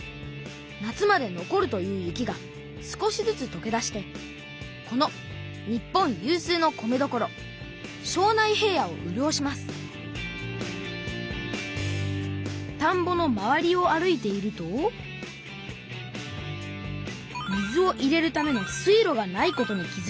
夏まで残るという雪が少しずつとけ出してこの日本有数の米どころ庄内平野をうるおしますたんぼの周りを歩いていると水を入れるための水路がないことに気づきました。